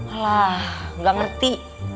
alah gak ngerti